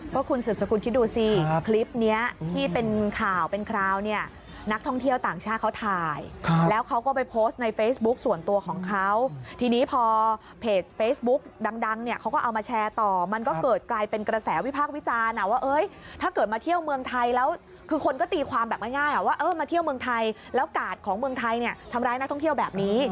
ก็คุณศึกสกุลที่ดูซิคลิปเนี้ยที่เป็นข่าวเป็นคราวเนี่ยนักท่องเที่ยวต่างชาติเขาถ่ายแล้วเขาก็ไปโพสต์ในเฟซบุ๊กส่วนตัวของเขาทีนี้พอเพจเฟซบุ๊กดังเนี่ยเขาก็เอามาแชร์ต่อมันก็เกิดกลายเป็นกระแสวิภาควิจารณ์อ่ะว่าเอ้ยถ้าเกิดมาเที่ยวเมืองไทยแล้วคือคนก็ตีความแบบง่ายอ่ะ